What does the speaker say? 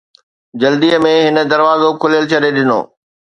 جلدي ۾، هن دروازو کليل ڇڏي ڏنو